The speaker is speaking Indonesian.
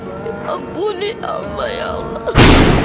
amatlah menyembah ya allah